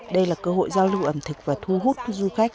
đây là cơ hội giao lưu ẩm thực và thu hút du khách